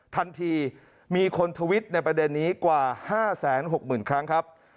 ทันทีมีคนทวิตในประเด็นนี้กว่า๕๖๐๐๐ครั้งครับ